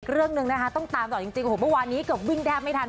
เรื่องหนึ่งนะคะต้องตามต่อจริงโอ้โหเมื่อวานนี้เกือบวิ่งแทบไม่ทัน